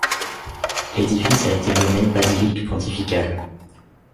L'édifice a été nommé basilique pontificale.